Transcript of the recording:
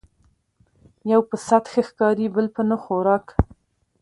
ـ يو په سعت ښه ښکاري بل په نه خوراک